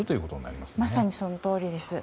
まさにそのとおりです。